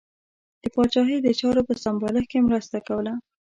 د پاچاهۍ د چارو په سمبالښت کې مرسته کوله.